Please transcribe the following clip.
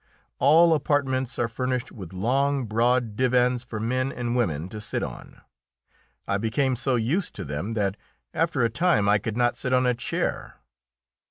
All apartments are furnished with long, broad divans for men and women to sit on. I became so used to them that after a time I could not sit on a chair.